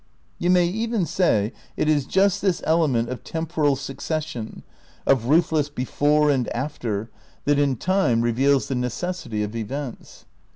You may even say it is just this element of temporal succession, of ruthless before and after, that in time reveals the necessity of events.